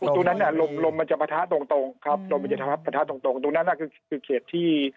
ตรงนั้นลมมันจะปะทะตรงครับตรงนั้นคือเขตที่